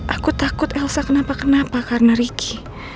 aku takut elsa kenapa kenapa karena ricky